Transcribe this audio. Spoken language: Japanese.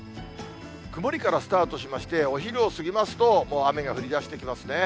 曇りからスタートしまして、お昼を過ぎますと、もう雨が降りだしてきますね。